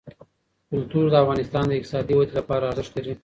کلتور د افغانستان د اقتصادي ودې لپاره ارزښت لري.